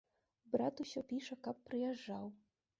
Брат усё піша, каб прыязджаў.